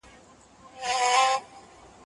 بوټونه د مور له خوا پاکيږي،